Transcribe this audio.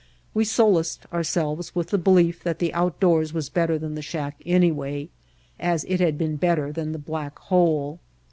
We solaced ourselves with the belief that the outdoors was better than the shack anyway, as it had been better than the black hole.